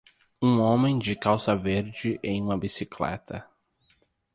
um homem de calça verde em uma bicicleta.